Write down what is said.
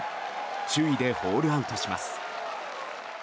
首位でホールアウトします。